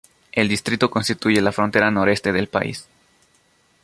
El distrito constituye la frontera noreste del país.